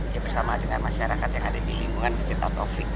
ya bersama dengan masyarakat yang ada di lingkungan masjid ataufiq